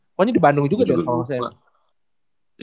pokoknya di bandung juga kan kalau gak salah ya